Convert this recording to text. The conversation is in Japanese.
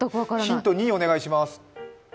ヒント２お願いします。